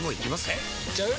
えいっちゃう？